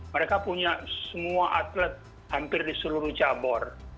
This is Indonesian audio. mereka punya semua atlet hampir di seluruh cabur